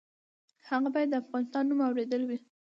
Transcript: هغه باید د افغانستان نوم اورېدلی وي.